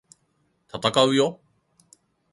闘うよ！！